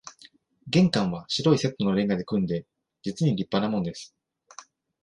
玄関は白い瀬戸の煉瓦で組んで、実に立派なもんです